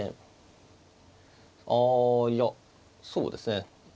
ああいやそうですね